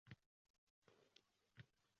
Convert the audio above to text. Aleksandr Lukashenko: